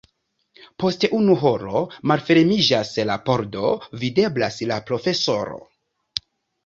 Post unu horo malfermiĝas la pordo, videblas la profesoro.